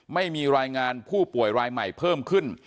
ไม่มีรายงานผู้ป่วยรายใหม่เพิ่มขึ้น